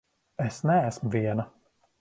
Es neesmu viena!